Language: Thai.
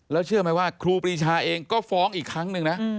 แล้วเชื่อไหมว่าครูปรีชาเองก็ฟ้องอีกครั้งหนึ่งนะ